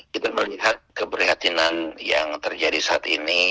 kita melihat keprihatinan yang terjadi saat ini